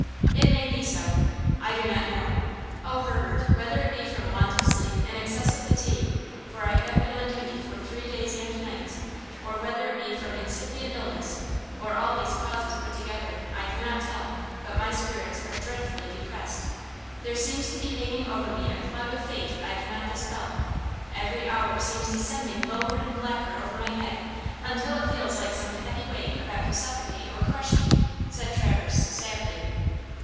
"It may be so; I do not know. Oh, Herbert, whether it be from want of sleep and excessive fatigue–for I have been on duty for three days and nights–or whether it be from incipient illness, or all these causes put together, I cannot tell, but my spirits are dreadfully depressed! There seems to be hanging over me a cloud of fate I cannot dispel. Every hour seems descending lower and blacker over my head, until it feels like some heavy weight about to suffocate or crush me," said Traverse, sadly.